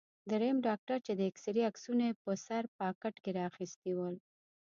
دریم ډاکټر چې د اېکسرې عکسونه یې په سر پاکټ کې را اخیستي ول.